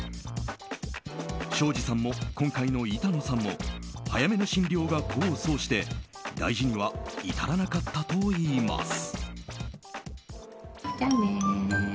庄司さんも、今回の板野さんも早めの診療が功を奏して大事には至らなかったといいます。